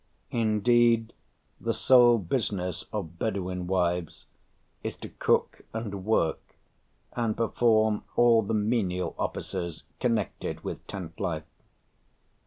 Indeed, the sole business of Bedouin wives is to cook and work, and perform all the menial offices connected with tent life....